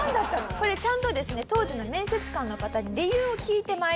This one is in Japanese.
これちゃんとですね当時の面接官の方に理由を聞いて参りました。